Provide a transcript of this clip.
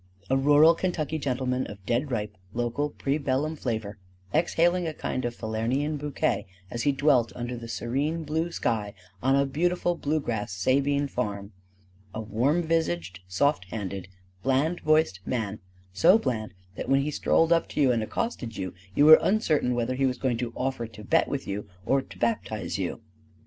A rural Kentucky gentleman of dead ripe local pre bellum flavor: exhaling a kind of Falernian bouquet as he dwelt under the serene blue sky on a beautiful bluegrass Sabine farm: a warm visaged, soft handed, bland voiced man so bland that when he strolled up to you and accosted you, you were uncertain whether he was going to offer to bet with you or to baptize you.